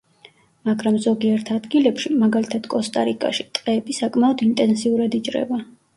მაგრამ ზოგიერთ ადგილებში, მაგალითად კოსტა-რიკაში, ტყეები საკმაოდ ინტენსიურად იჭრება.